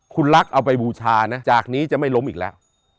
คุณรักเอาไปบูชานะจากนี้จะไม่ล้มอีกแล้ว